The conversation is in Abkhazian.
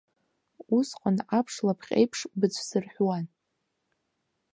Усҟан аԥшлапҟьеиԥш быцәсырҳәуан.